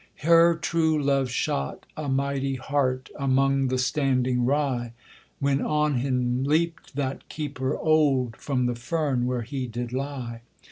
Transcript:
Her true love shot a mighty hart Among the standing rye, When on him leapt that keeper old From the fern where he did lie.